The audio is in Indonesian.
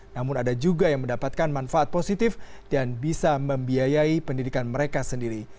namun ada juga yang mendapatkan manfaat positif dan bisa membiayai pendidikan mereka sendiri